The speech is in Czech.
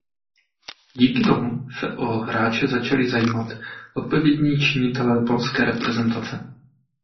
Díky tomu se o hráče začali zajímat odpovědní činitelé polské reprezentace.